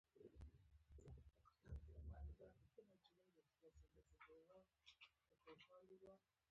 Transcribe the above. ازادي راډیو د سیاست په اړه د حقایقو پر بنسټ راپور خپور کړی.